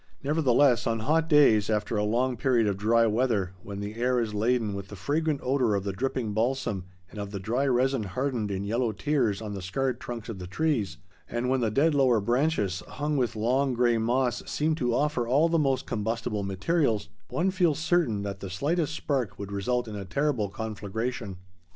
Nevertheless, on hot days after a long period of dry weather, when the air is laden with the fragrant odor of the dripping balsam and of the dry resin hardened in yellow tears on the scarred trunks of the trees, and when the dead lower branches hung with long gray moss seem to offer all the most combustible materials, one feels certain that the slightest spark would result in a terrible conflagration.